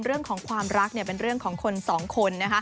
เรื่องของความรักเป็นเรื่องของคนสองคน